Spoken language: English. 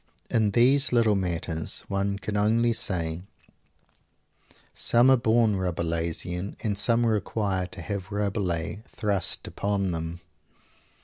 In these little matters one can only say, "some are born Rabelaisian, and some require to have Rabelais thrust upon them!"